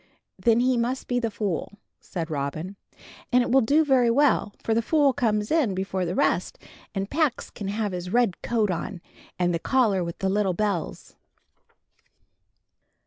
"Then he must be the Fool," said Robin, "and it will do very well, for the Fool comes in before the rest, and Pax can have his red coat on, and the collar with the little bells."